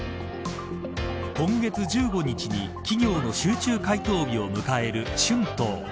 今月１５日に、企業の集中回答日を迎える春闘。